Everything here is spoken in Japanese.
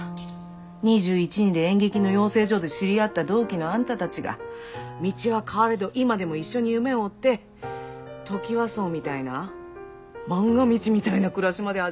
２１２２で演劇の養成所で知り合った同期のあんたたちが道は変われど今でも一緒に夢を追ってトキワ荘みたいな「まんが道」みたいな暮らしまで始めてさ。